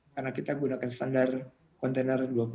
karena kita menggunakan standar kontainer dua puluh feet